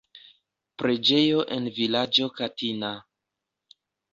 Preĝejo en vilaĝo Katina.